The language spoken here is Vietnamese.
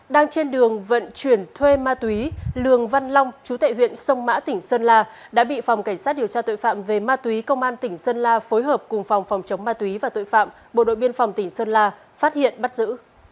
đang trên đường vận chuyển thuê ma túy lường văn long chú tệ huyện sông mã tỉnh sơn la đã bị phòng cảnh sát điều tra tội phạm về ma túy công an tỉnh sơn la phối hợp cùng phòng phòng chống ma túy và tội phạm bộ đội biên phòng tỉnh sơn la phát hiện bắt giữ